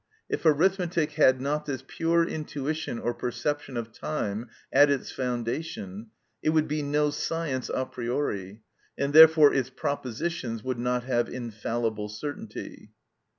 If arithmetic had not this pure intuition or perception of time at its foundation, it would be no science a priori, and therefore its propositions would not have infallible certainty.